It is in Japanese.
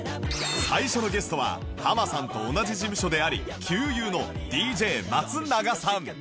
最初のゲストはハマさんと同じ事務所であり旧友の ＤＪ 松永さん